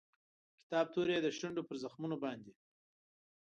د کتاب توري یې د شونډو پر زخمونو باندې